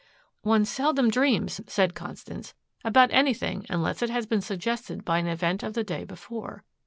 "One seldom dreams," said Constance, "about anything unless it has been suggested by an event of the day before.